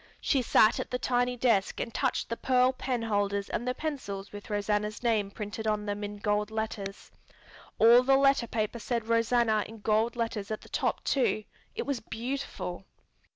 She sat at the tiny desk and touched the pearl penholders and the pencils with Rosanna's name printed on them in gold letters. All the letter paper said Rosanna in gold letters at the top too; it was beautiful.